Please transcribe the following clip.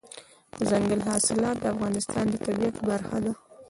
دځنګل حاصلات د افغانستان د طبیعت برخه ده.